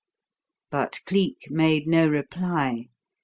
But Cleek made no reply.